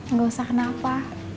nggak usah kenapa